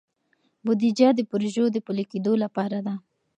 بودیجه د پروژو د پلي کیدو لپاره ده.